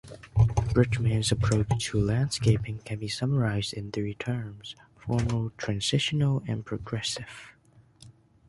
Bridgeman's approach to landscaping can be summarised in three terms: formal, transitional and progressive.